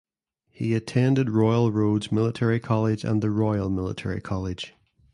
He attended Royal Roads Military College and the Royal Military College.